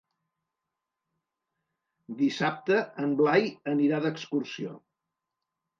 Dissabte en Blai anirà d'excursió.